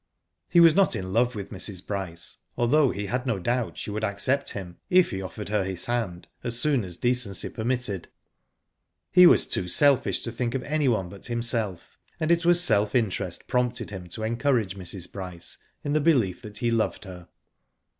He was not in love with Mrs. Bryce, al though he had no doubt she would accept him if he offered her his hand, as soon as decency permitted. He was too selfish to think of anyone but him self, and it was self interest prompted him to en courage Mrs. Bryce in the belief that he loved her.